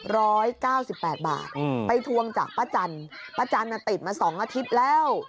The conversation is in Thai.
ร้อยเก้าสิบแปดบาทอืมไปทวงจากป้าจันป้าจันน่ะติดมาสองอาทิตย์แล้ว